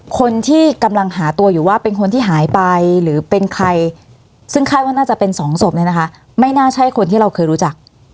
คนที่กำลังหาตัวอยู่ว่าเป็นคนที่หายไปหรือเป็นใครซึ่งคาดว่าน่าจะเป็นสองศพเนี่ยนะคะไม่น่าใช่คนที่เราเคยรู้จัก